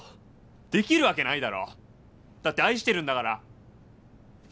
できるわけないだろ！だって愛してるんだから。